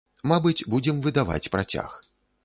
Мабыць, будзем выдаваць працяг.